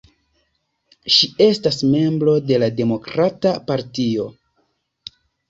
Ŝi estas membro de la Demokrata Partio.